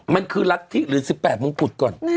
มันคือลักษณ์ทีหรือ๑๘มมก่อน